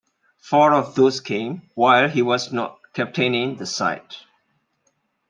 Four of those came while he was not captaining the side.